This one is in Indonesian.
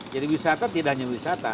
jadi wisata tidak hanya wisata